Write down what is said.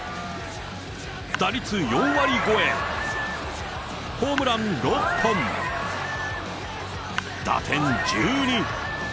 打率４割超え、ホームラン６本、打点１２。